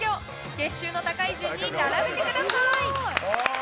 月収の高い順に並べてください。